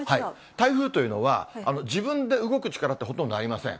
台風というのは、自分で動く力ってほとんどありません。